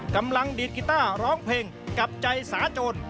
ดีดกีต้าร้องเพลงกับใจสาโจร